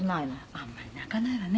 「あんまり泣かないわね」